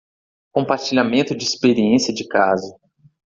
Compartilhamento de experiência de caso